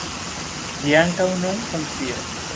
Ĝi ankaŭ nun funkcias.